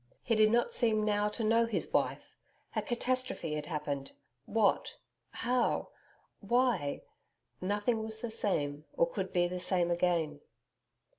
He did not seem now to know his wife! A catastrophe had happened. What? How? Why? .... Nothing was the same, or could be the same again.